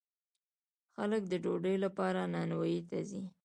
خلک د ډوډۍ لپاره نانواییو ته ځي.